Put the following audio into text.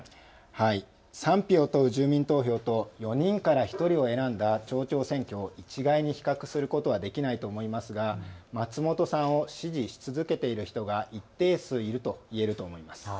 賛否を問う住民投票と４人から１人を選んだ町長選挙を一概に比較することはできないと思いますが松本さんを支持し続けている人が一定数いるといえると思います。